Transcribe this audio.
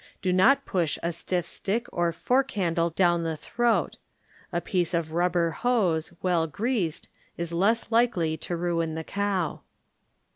Do not push a stiff stick or fork handle down the throat ; a piece of rubber hose, well greased, is less likely to ruin the cow.